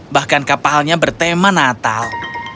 bahkan kapalnya bertema natal